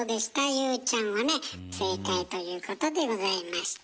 ＹＯＵちゃんはね正解ということでございました。